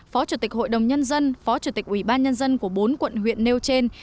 phó chủ tịch hội đồng nhân dân phó chủ tịch ủy ban nhân dân của bốn quận huyện nêu trên